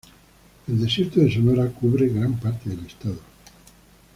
El Desierto de Sonora cubre gran parte del estado.